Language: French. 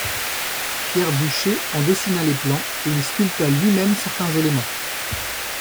Pierre Bucher en dessina les plans et il sculpta lui-même certains éléments.